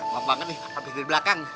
maaf banget nih abis dari belakang